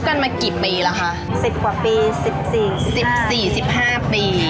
เห็นเมียบเนี่ยพ่อ